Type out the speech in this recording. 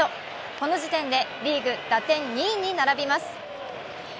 この時点でリーグ打点２位に並びます。